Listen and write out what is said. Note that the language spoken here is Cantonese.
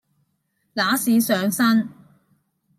揦屎上身